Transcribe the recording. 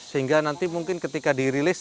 sehingga nanti mungkin ketika dirilis